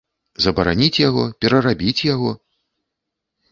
Забараніць яго, перарабіць яго?